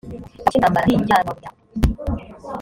icyago cy’intambara n’ijyanwabunyago